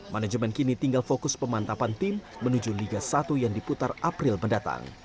manajemen kini tinggal fokus pemantapan tim menuju liga satu yang diputar april mendatang